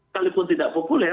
kalaupun tidak populer